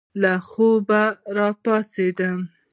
له خوبه را پاڅېدم.